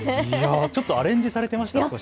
ちょっとアレンジされていましたね。